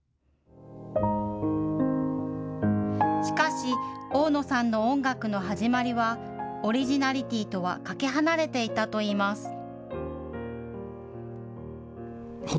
しかし大野さんの音楽の始まりはオリジナリティーとはかけ離れていたといいます。